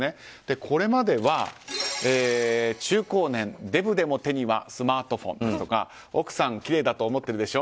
これまでは中高年、デブでも手にはスマートフォンですとか奥さんきれいだと思ってるでしょ？